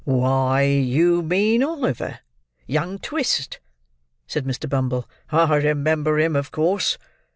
"Why, you mean Oliver! Young Twist!" said Mr. Bumble; "I remember him, of course.